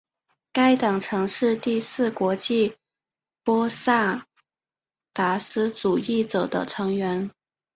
该党曾是第四国际波萨达斯主义者的成员。